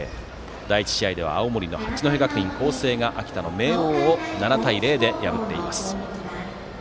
第１試合では青森の八戸学院光星が秋田の明桜を７対０で破っています。